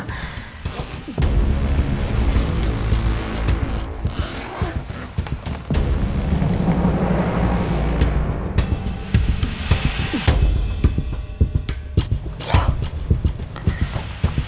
aku gorgeous ya masuk tempat ini